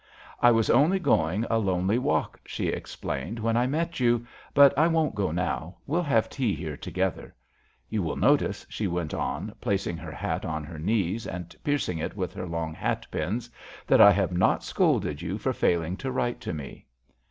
"I was only going a lonely walk," she explained, "when I met you, but I won't go now; we'll have tea here together. You will notice," she went on, placing her hat on her knee and piercing it with her long hatpins, "that I have not scolded you for failing to write to me."